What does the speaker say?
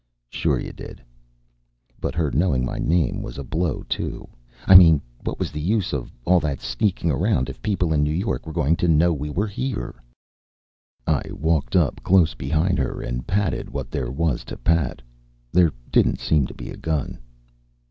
"Sure you did." But her knowing my name was a blow, too. I mean what was the use of all that sneaking around if people in New York were going to know we were here? I walked up close behind her and patted what there was to pat. There didn't seem to be a gun.